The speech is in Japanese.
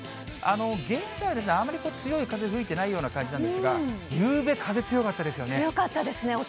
現在、あまり強い風吹いてないような感じなんですが、ゆうべ、風強かっ強かったですね。